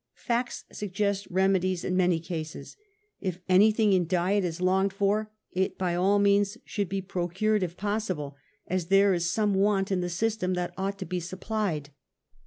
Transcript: Facts suggest remedies in many cases ; if anything in diet is longed for, it by all means should be procured if possible, as there is some want in the system that ought to be supplied.